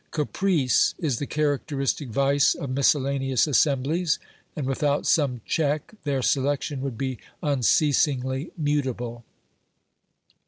Caprice is the characteristic vice of miscellaneous assemblies, and without some check their selection would be unceasingly mutable.